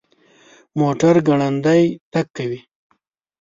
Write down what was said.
موټر ګړندی تګ کوي